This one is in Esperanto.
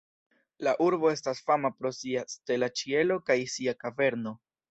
La urbo estas fama pro sia stela ĉielo kaj sia kaverno.